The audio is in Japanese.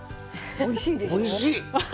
おいしい！